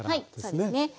はいそうですね。